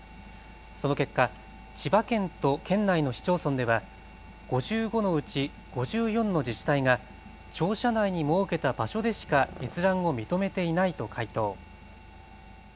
その結果、千葉県と県内の市町村では５５のうち５４の自治体が庁舎内に設けた場所でしか閲覧を認めていないと回答。